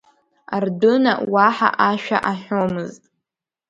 Ардәына уаҳа ашәа аҳәомызт.